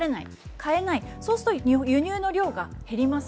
買えないそうなると輸入の量が減ります。